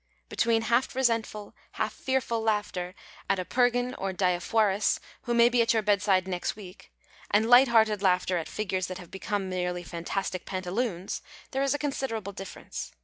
Between half resentful, half fearful laughter at a Purgon or Diafoirus who may be at your bedside next week and ligiit hcartcd laughter at figures that have become merely fantastic pantaloons there is consider able difference.